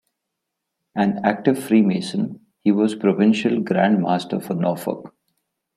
An active Freemason, he was Provincial Grand Master for Norfolk.